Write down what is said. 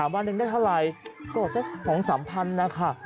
วันหนึ่งได้เท่าไหร่ก็จะของสามพันธุ์นะค่ะ